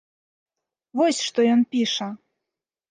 Вось што ён піша!